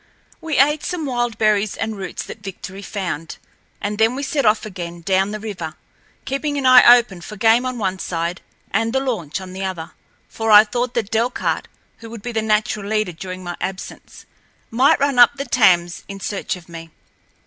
We ate some wild berries and roots that Victory found, and then we set off again down the river, keeping an eye open for game on one side and the launch on the other, for I thought that Delcarte, who would be the natural leader during my absence, might run up the Thames in search of me.